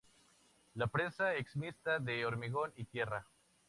La presa es mixta de hormigón y tierra.